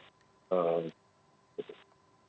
juga kemudian bagaimana ada eksepsi yang disampaikan